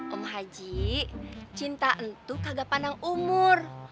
om haji cinta itu kagak pandang umur